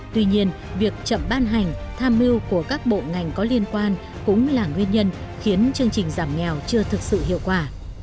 tuy nhiên việc chậm ban hành tham mưu của các bộ ngành có liên quan cũng là nguyên nhân khiến chương trình giảm nghèo chưa thực sự hiệu quả